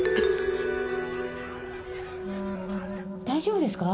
大丈夫ですか？